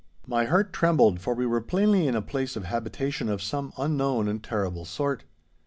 My heart trembled, for we were plainly in a place of habitation of some unknown and terrible sort.